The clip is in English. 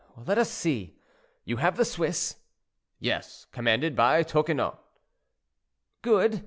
"Let us see: you have the Swiss—" "Yes, commanded by Tocquenot." "Good!